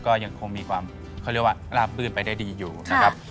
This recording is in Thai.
ก็ยังคงมีความเขาเรียกว่าราบรื่นไปได้ดีอยู่นะครับ